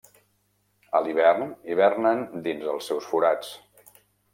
A l'hivern hibernen dins els seus forats.